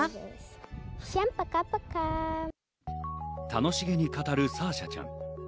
楽しげに語るサーシャちゃん、